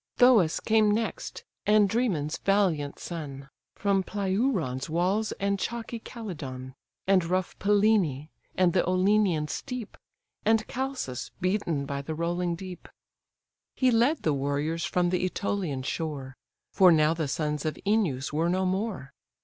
Thoas came next, Andræmon's valiant son, From Pleuron's walls, and chalky Calydon, And rough Pylene, and the Olenian steep, And Chalcis, beaten by the rolling deep. He led the warriors from the Ætolian shore, For now the sons of Œneus were no more!